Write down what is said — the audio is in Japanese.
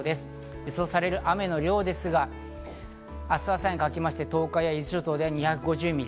予想される雨の量ですが、明日朝にかけまして東海や伊豆諸島で２５０ミリ。